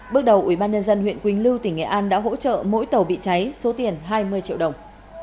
bước đầu ubnd huyện quỳnh lưu tỉnh nghệ an đã hỗ trợ mỗi tàu bị cháy số tiền hai mươi triệu đồng